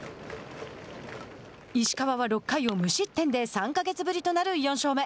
石川は６回を無失点で３か月ぶりとなる４勝目。